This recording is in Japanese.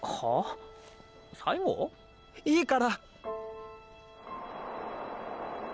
いいから。